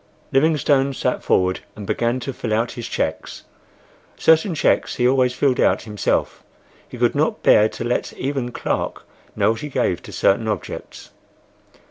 Livingstone sat forward and began to fill out his cheques. Certain cheques he always filled out himself. He could not bear to let even Clark know what he gave to certain objects.